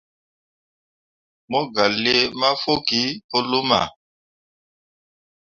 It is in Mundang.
Mo gah lii mafokki pu luma.